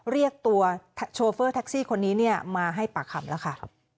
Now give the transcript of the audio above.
เรียกตัวโชเฟอร์แท็กซี่คนนี้มาให้ปากคำแล้วค่ะ